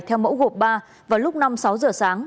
theo mẫu gộp ba vào lúc năm sáu giờ sáng